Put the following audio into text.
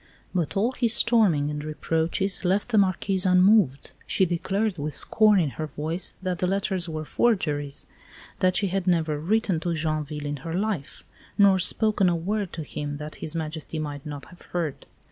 But all his storming and reproaches left the Marquise unmoved. She declared, with scorn in her voice, that the letters were forgeries; that she had never written to Joinville in her life, nor spoken a word to him that His Majesty might not have heard.